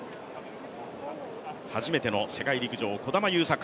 初めての世界陸上、児玉悠作